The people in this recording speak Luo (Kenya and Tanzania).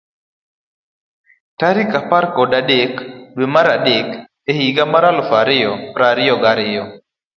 Tarik apar kod adek, dwe mar adek, e higa mar elufu ariyo piero ariyo.